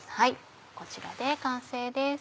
こちらで完成です。